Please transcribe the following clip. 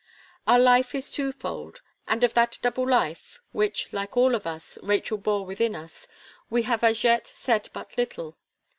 Our life is twofold; and of that double life, which, like all of us, Rachel bore within her, we have as yet said but little.